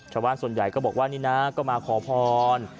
ชาวบ้านส่วนใหญ่ก็บอกว่านี่นะก็มาขอพร